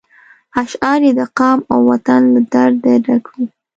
اشعار یې د قام او وطن له درده ډک وي.